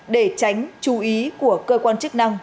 để tránh chú ý của cơ quan chức năng